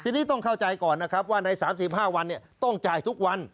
ทีนี้ต้องเข้าใจก่อนนะครับว่าใน๓๕วันต้องจ่ายทุกวัน